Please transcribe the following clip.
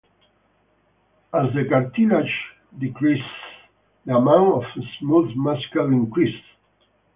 As the cartilage decreases, the amount of smooth muscle increases.